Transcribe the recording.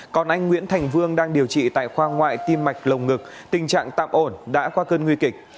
còn anh nguyễn thành vương đang điều trị tại khoa ngoại tim mạch lồng ngực tình trạng tạm ổn đã qua cơn nguy kịch